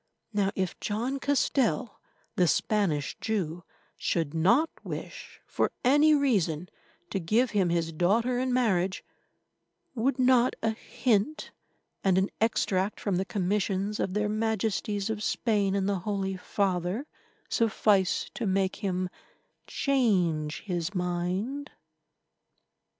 Now, if John Castell, the Spanish Jew, should not wish, for any reason, to give him his daughter in marriage, would not a hint and an extract from the Commissions of their Majesties of Spain and the Holy Father suffice to make him change his mind?